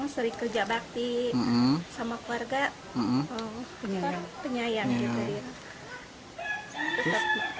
seri kerja bakti sama keluarga penyayang